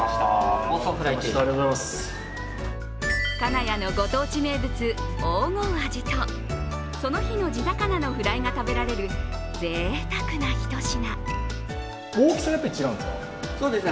金谷のご当地名物、黄金アジとその日の地魚のフライが食べられる、ぜいたくなひと品。